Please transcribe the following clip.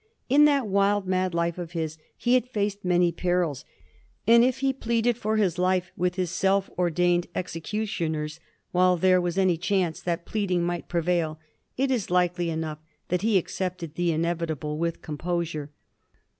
In that wild, mad life of his he had faced many perils, and if he pleaded for his life with his self ordained executioners while there was any chance that pleading might prevail, it is likely enough that he accepted the inevitable with composure.